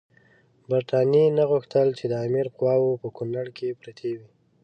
برټانیې نه غوښتل چې د امیر قواوې په کونړ کې پرتې وي.